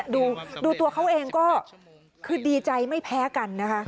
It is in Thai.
ดูตัวเขาเองก็คือดีใจไม่แพ้กันนะคะ